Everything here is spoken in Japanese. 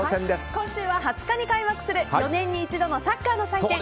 今週は２０日に開幕する４年に一度のサッカーの祭典